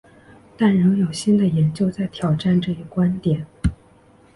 但仍有新的研究在挑战这一观点。